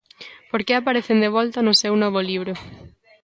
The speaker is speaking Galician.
Por que aparecen de volta no seu novo libro?